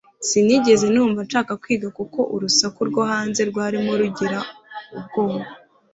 Sinigeze numva nshaka kwiga kuko urusaku rwo hanze rwarimo rugira ubwoba